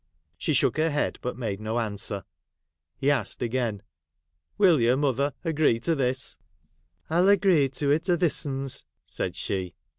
She shook her head, but made no answer. He asked again, —' Will you, mother, agree to this 1 '' I '11 agree to it a this ns,' said she.